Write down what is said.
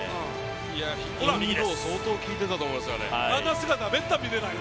インロー相当効いてたと思いますよ。